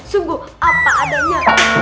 sungguh apa adanya